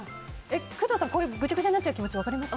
工藤さん、こういうぐちゃぐちゃになっちゃう気持ち分かります。